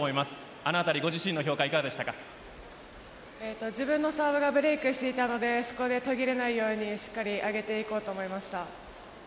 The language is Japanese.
あのあたり自分のサーブがブレークしていたのでそこで途切れないようにしっかり上げていこうと思いました。